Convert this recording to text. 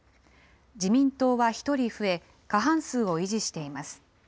自民党は１人増え、過半数を維持しています。